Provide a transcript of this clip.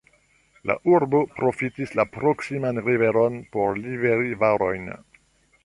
La urbo profitis la proksiman riveron por liveri varojn.